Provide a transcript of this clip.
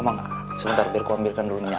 emang sebentar biar gua ambilkan dulu minyak